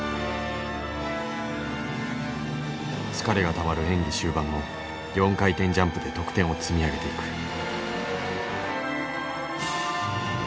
疲れがたまる演技終盤も４回転ジャンプで得点を積み上げていく。